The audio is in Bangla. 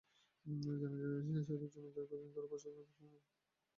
জানা যায়, সেতুর জন্য দীর্ঘদিন ধরে প্রশাসনের কাছে ধরনা দিচ্ছেন এলাকার মানুষজন।